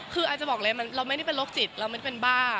คืออาจจะบอกเลยเราไม่ได้เป็นโรคจิตเราไม่เป็นบ้า